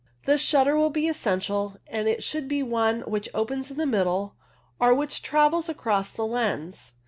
A shutter will be essential, and it should be one which opens in the middle, or which travels across the lens.